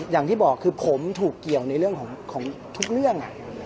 อย่างที่บอกคือผมถูกเกี่ยวในเรื่องของทุกเรื่อง